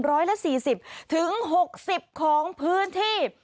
ร้อยละสี่สิบถึงหกสิบของพื้นที่